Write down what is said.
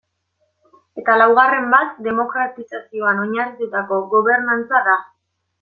Eta laugarren bat demokratizazioan oinarritutako gobernantza da.